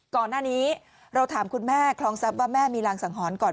ก่อนหน้านี้เราถามคุณแม่คลองทรัพย์ว่าแม่มีรางสังหรณ์ก่อน